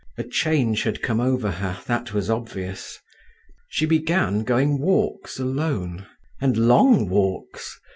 A change had come over her, that was obvious. She began going walks alone—and long walks.